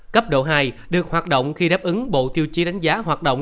cấp độ hai được hoạt động khi đáp ứng bộ tiêu chí đánh giá hoạt động